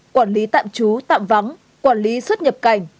quản lý tạm trú tạm vắng quản lý xuất nhập cảnh